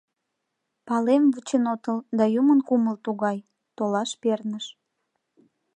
— Палем, вучен отыл, да юмын кумыл тугай — толаш перныш.